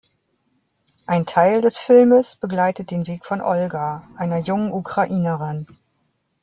Ein Teil des Filmes begleitet den Weg von Olga, einer jungen Ukrainerin.